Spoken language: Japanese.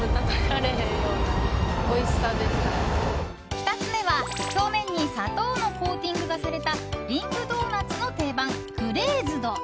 ２つ目は、表面の砂糖のコーティングがされたリングドーナツの定番グレーズド。